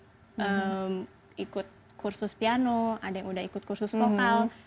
ada yang sudah ikut kursus piano ada yang sudah ikut kursus vokal